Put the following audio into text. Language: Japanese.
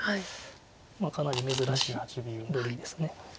かなり珍しい部類です。